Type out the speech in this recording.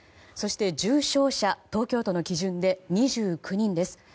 そして、重症者は東京都の基準で２９人です。